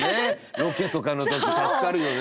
ロケとかの時助かるよね。